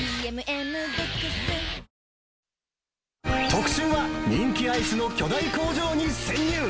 特集は、人気アイスの巨大工場に潜入。